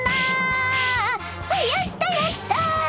やったやった！